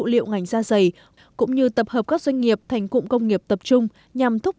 liệu ngành da dày cũng như tập hợp các doanh nghiệp thành cụm công nghiệp tập trung nhằm thúc